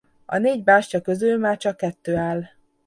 A négy bástya közül már csak kettő áll.